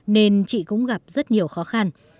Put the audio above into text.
nên chị cũng gặp rất nhiều khó khăn